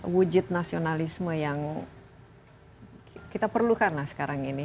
wujud nasionalisme yang kita perlukan lah sekarang ini